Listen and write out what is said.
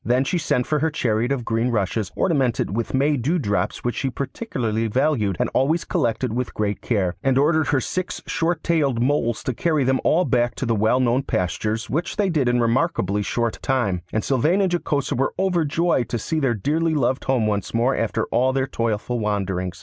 Then she sent for her chariot of green rushes, ornamented with May dewdrops, which she particularly valued and always collected with great care; and ordered her six short tailed moles to carry them all back to the well known pastures, which they did in a remarkably short time; and Sylvain and Jocosa were overjoyed to see their dearly loved home once more after all their toilful wanderings.